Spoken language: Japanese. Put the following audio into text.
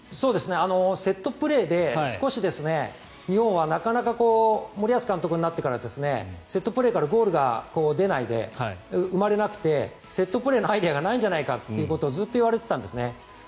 セットプレーで日本はなかなか森保監督になってからセットプレーからゴールが出ない、生まれなくてセットプレーのアイデアがないんじゃないかってことをずっと言われていたんですね。